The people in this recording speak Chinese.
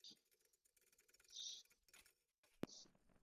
最终他们的父母分居直至和离。